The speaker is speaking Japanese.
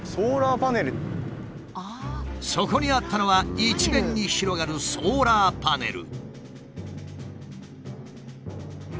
そこにあったのは一面に広がるソーラーパネル。